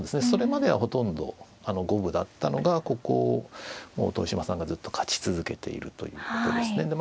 それまではほとんど五分だったのがここもう豊島さんがずっと勝ち続けているということですね。